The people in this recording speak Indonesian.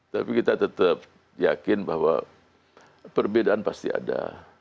tapi kita tetap yakin bahwa perbedaan pasti ada